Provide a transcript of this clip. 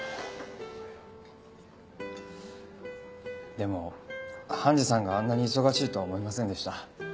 でも判事さんがあんなに忙しいとは思いませんでした。